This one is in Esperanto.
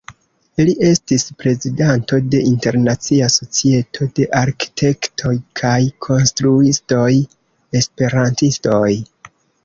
Li estis prezidanto de Internacia Societo de Arkitektoj kaj Konstruistoj Esperantistoj.